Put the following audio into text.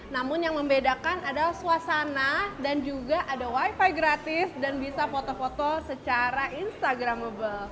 namun yang membedakan adalah suasana dan juga ada wifi gratis dan bisa foto foto secara instagramable